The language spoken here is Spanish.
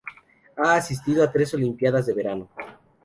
Ha asistido a tres Olimpiadas de Verano.